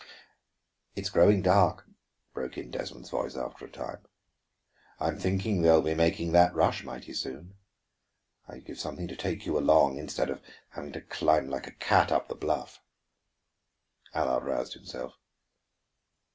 "It's growing dark," broke in Desmond's voice after a time. "I'm thinking they'll be making that rush mighty soon. I'd give something to take you along, instead of having to climb like a cat up the bluff." Allard roused himself.